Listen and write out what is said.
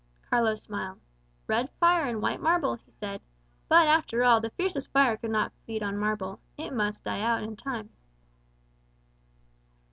Carlos smiled. "Red fire and white marble," he said. "But, after all, the fiercest fire could not feed on marble. It must die out, in time."